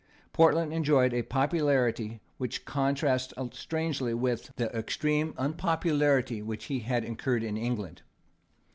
Portland enjoyed a popularity which contrasts strangely with the extreme unpopularity which he had incurred in England.